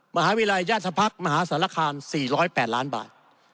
มหาวิทยาลัยญาธพรรคมหาสารคาม๔๐๘ล้านบาท